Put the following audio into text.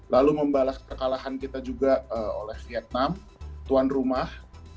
lalu membalas kekalahan kita juga oleh vietnam tuan rumah